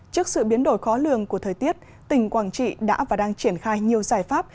trước sự biến đổi khó lường của thời tiết tỉnh quảng trị đã và đang triển khai nhiều giải pháp